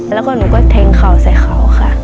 ถ้าหนูก็เทงเขาใส่เขาค่ะ